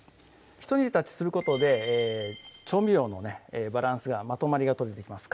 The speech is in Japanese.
ひと煮立ちすることで調味料のバランスがまとまりがとれてきます